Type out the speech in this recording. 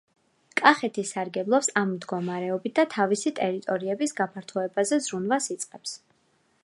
კახეთი სარგებლობს ამ მდგომარეობით და თავისი ტერიტორიების გაფართოებაზე ზრუნვას იწყებს.